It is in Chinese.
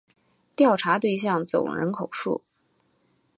调查对象总人口数